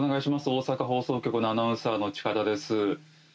大阪放送局のアナウンサーの近田です。